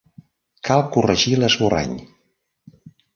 Cal corregir l'esborrany